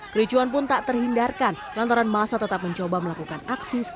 kericuan pun tak terhindarkan lantaran masa tetap mencoba melakukan aksi